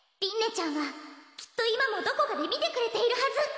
ちゃんはきっと今もどこかで見てくれているはず。